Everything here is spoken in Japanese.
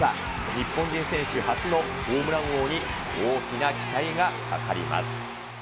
日本人選手初のホームラン王に大きな期待がかかります。